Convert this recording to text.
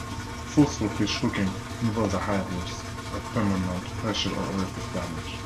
Forceful fish-hooking involves a high risk of permanent facial or orifice damage.